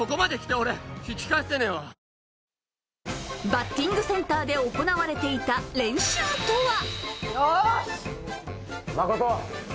バッティングセンターで行われていた練習とは？